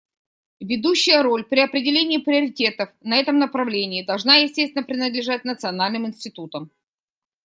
Ведущая роль при определении приоритетов на этом направлении должна, естественно, принадлежать национальным институтам.